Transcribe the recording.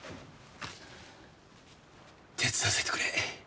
手伝わせてくれ。